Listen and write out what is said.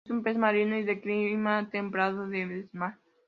Es un pez marino y de clima templado y demersal.